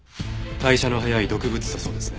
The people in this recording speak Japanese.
代謝の早い毒物だそうですね。